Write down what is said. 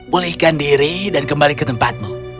pulihkan diri dan kembali ke tempatmu